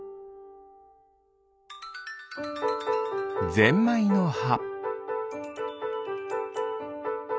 ゼンマイのは。